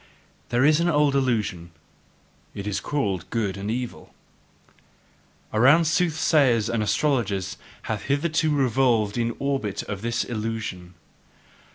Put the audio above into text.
There is an old illusion it is called good and evil. Around soothsayers and astrologers hath hitherto revolved the orbit of this illusion.